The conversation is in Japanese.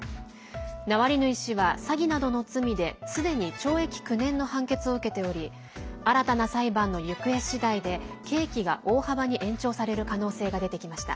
ナワリヌイ氏は詐欺などの罪ですでに懲役９年の判決を受けており新たな裁判の行方次第で刑期が大幅に延長される可能性が出てきました。